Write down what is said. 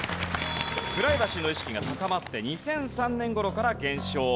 プライバシーの意識が高まって２００３年頃から減少。